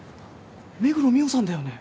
目黒澪さんだよね？